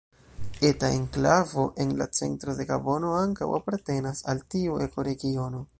Eta enklavo en la centro de Gabono ankaŭ apartenas al tiu ekoregiono.